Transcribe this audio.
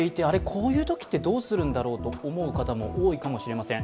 こういうときってどうするんだろうと思う方も多いかもしれません。